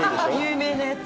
有名なやつ。